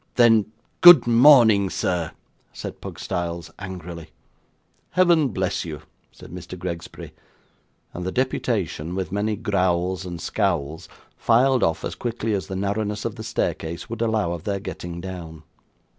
'Then, good morning, sir,' said Pugstyles, angrily. 'Heaven bless you!' said Mr. Gregsbury. And the deputation, with many growls and scowls, filed off as quickly as the narrowness of the staircase would allow of their getting down.